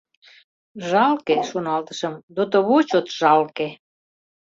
Жалке, шоналтышым, дотово чот жалке...